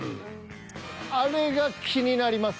あれが気になります。